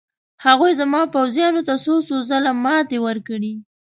هغوی زما پوځیانو ته څو څو ځله ماتې ورکړې.